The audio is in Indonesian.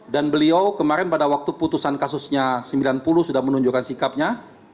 dan beliau kemarin pada waktu putusan kasusnya sembilan puluh sudah menunjukkan sikapnya